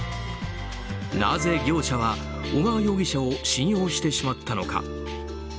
なぜ業者は小川容疑者を信用してしまったのか。